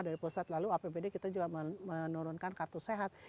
dari pusat lalu apbd kita juga menurunkan kartu sehat